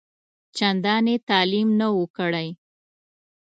چنداني تعلیم نه وو کړی.